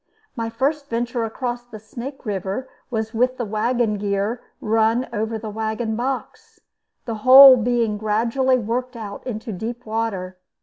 My first venture across the Snake River was with the wagon gear run over the wagon box, the whole being gradually worked out into deep water.